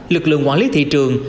lực lượng quản lý thị trường